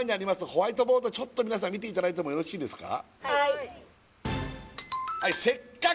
ホワイトボード見ていただいてもよろしいですか？